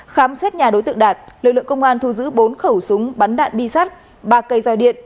khám xét nhà đối tượng đạt lực lượng công an thu giữ bốn khẩu súng bắn đạn bi sắt ba cây dao điện